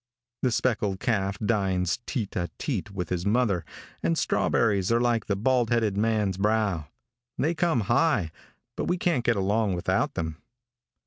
The speckled calf dines teat a teat with his mother, and strawberries are like a baldheaded man's brow they come high, but we can't get along without them.